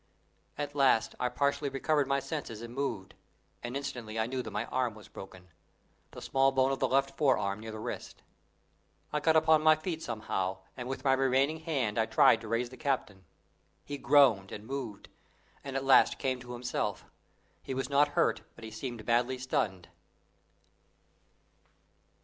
At last I partially recovered my senses and moved, and instantly I knew that my arm was broken the small bone of the left forearm near the wrist. I got upon my feet somehow, and with my remaining hand I tried to raise the captain. He groaned and moved, and at last came to himself. He was not hurt, but he seemed badly stunned.